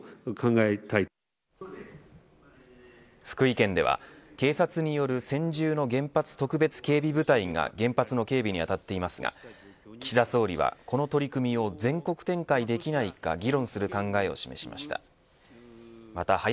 福井県では警察による専従の原発特別警備部隊が原発の警備に当たっていますが岸田総理はこの取り組みを全国展開できないか議論する考えを示しました。